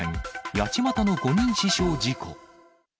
八街の５人死傷事故。